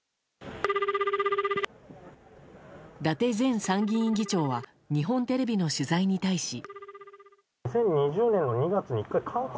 伊達前参議院議長は日本テレビの取材に対し。